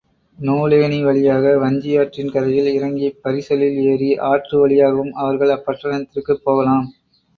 நூலேணி வழியாக வஞ்சியாற்றின் கரையில் இறங்கிப் பரிசலில் ஏறி, ஆற்று வழியாகவும் அவர்கள் அப்பட்டணத்திற்குப் போகலாம்.